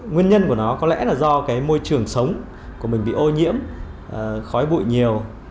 nguyên nhân của nó có lẽ là do môi trường sống của mình bị ô nhiễm khói bụi nhiều